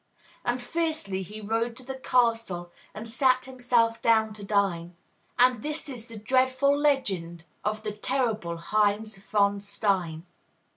And fiercely he rode to the castle And sat himself down to dine; And this is the dreadful legend Of the terrible Heinz von Stein.